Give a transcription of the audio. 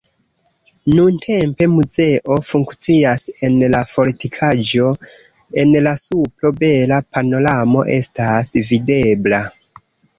Nuntempe muzeo funkcias en la fortikaĵo, en la supro bela panoramo estas videbla.